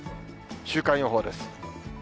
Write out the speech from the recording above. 週間予報です。